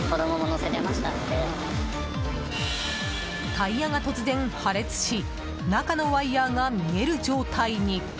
タイヤが突然、破裂し中のワイヤが見える状態に。